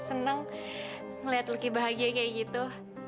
seneng melihat lucky bahagia kayak gitu